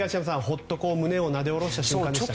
ほっと胸をなでおろした瞬間でしたね。